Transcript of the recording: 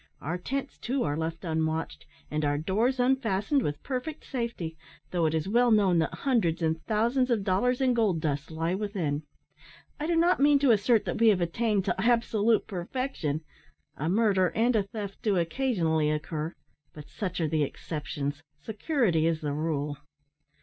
Our tents, too, are left unwatched, and our doors unfastened, with perfect safety, though it is well known that hundreds and thousands of dollars in gold dust lie within. I do not mean to assert that we have attained to absolute perfection a murder and a theft do occasionally occur, but such are the exceptions, security is the rule."